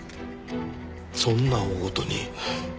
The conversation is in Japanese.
そんな大ごとに。